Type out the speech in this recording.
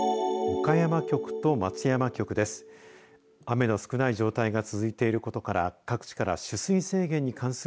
岡山局と松山局です。